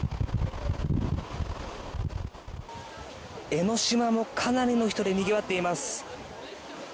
江の島もかなりの人でにぎわっています。